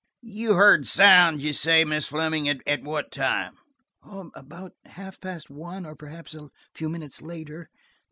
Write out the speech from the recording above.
"You heard sounds, you say, Miss Fleming. At what time?" "About half past one or perhaps a few minutes later.